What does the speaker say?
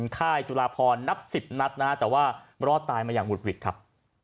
ค่ายจุลาพรนับสิบนัดนะฮะแต่ว่ารอดตายมาอย่างหุดหวิดครับ